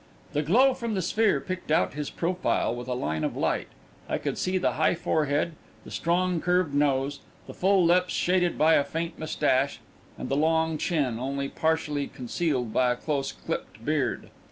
The glow from the sphere picked out his profile with a line of light I could see the high forehead, the strong, curved nose, the full lips shaded by a faint moustache, and the long chin, only partially concealed by a close clipped beard.